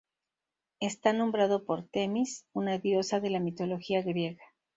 Está nombrado por Temis, una diosa de la mitología griega.